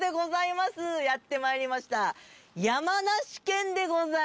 やってまいりました。